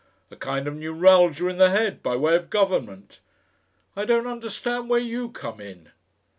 A kind of neuralgia in the head, by way of government. I don't understand where YOU come in.